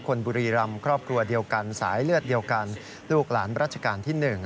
บุรีรำครอบครัวเดียวกันสายเลือดเดียวกันลูกหลานรัชกาลที่๑